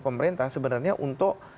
pemerintah sebenarnya untuk